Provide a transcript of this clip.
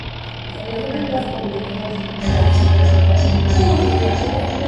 Es una planta suculentas ramificada que se desarrolla como un arbusto.